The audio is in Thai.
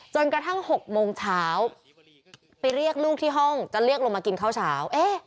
จนกระทั่งหกโมงเช้า